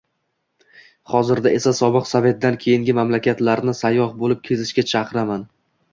hozirda esa Sobiq Sovetdan keyingi mamlakatlarni sayyoh boʻlib kezishga chaqiraman.